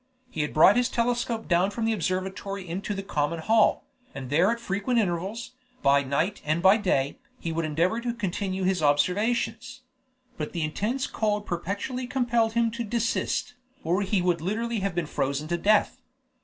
He had brought his telescope down from the observatory into the common hall, and there at frequent intervals, by night and by day, he would endeavor to continue his observations; but the intense cold perpetually compelled him to desist, or he would literally have been frozen to death.